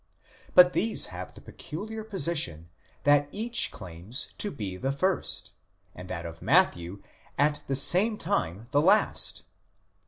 But these have the peculiar position, that each claims to be the first, and that of Matthew at the same time the last.